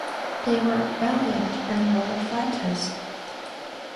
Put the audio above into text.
They were valiant and loyal fighters.